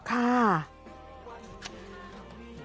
ค่าาา